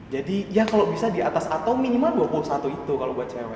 jadi ya kalo bisa di atas itu sih tapi itu juga gak stabil itu bener bener berbahaya banget